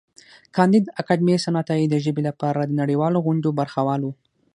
کانديد اکاډميسن عطايي د ژبې لپاره د نړیوالو غونډو برخه وال و.